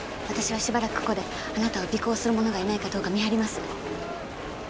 私はしばらくここであなたを尾行する者がいないかどうか見張ります。